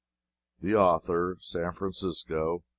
THE AUTHOR. SAN FRANCISCO.